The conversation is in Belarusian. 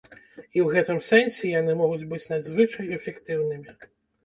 І ў гэтым сэнсе яны могуць быць надзвычай эфектыўнымі.